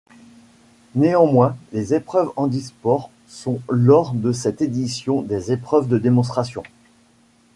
Néanmoins, les épreuves handisports sont lors de cette édition des épreuves de démonstration.